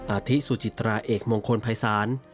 อาทิสุจิตราเอกมงคลภัยศาล